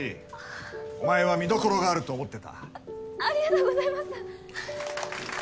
あお前は見どころがあると思っあっありがとうございます。